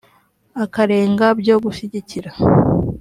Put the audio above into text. akarenga byo gushyigikira